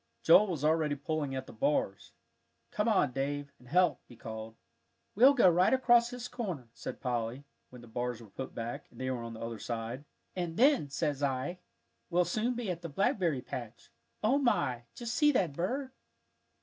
Joel was already pulling at the bars. "Come on, Dave, and help," he called. "We'll go right across this corner," said Polly, when the bars were put back, and they were on the other side, "and then, says I, we'll soon be at the blackberry patch. O my, just see that bird!"